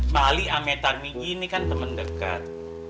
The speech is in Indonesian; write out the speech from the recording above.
mali sama tarmigyi ini kan temen dekat